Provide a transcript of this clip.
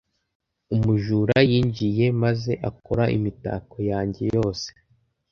Umujura yinjiye maze akora imitako yanjye yose.